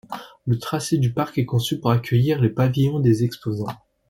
Le tracé du parc est conçu pour accueillir les pavillons des exposants.